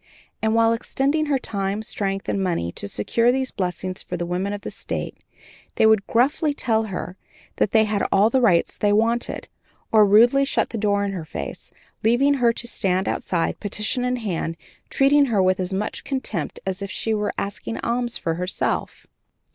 And while expending her time, strength, and money to secure these blessings for the women of the State, they would gruffly tell her that they had all the rights they wanted, or rudely shut the door in her face; leaving her to stand outside, petition in hand, treating her with as much contempt as if she was asking alms for herself.